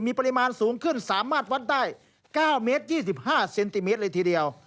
มีปริมาณสูงขึ้นสามารถวัดได้๙เมตร๒๕เซนติเมตรเลยทีเดียว